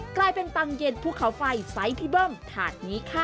กลายเป็นตังเย็นภูเขาไฟไซส์พี่เบิ้มถาดนี้ค่ะ